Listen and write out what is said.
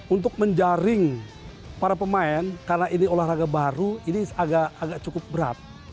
untuk menjaring para pemain karena ini olahraga baru ini agak cukup berat